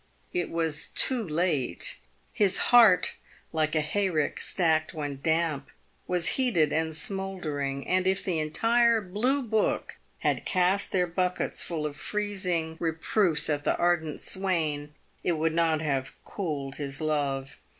It was too late. His heart, like a hayrick stacked when damp, was heated and smouldering ; and if the entire " Blue Book" had cast their buckets full of freezing reporofs at the ardent swain, it would not have cooled his love.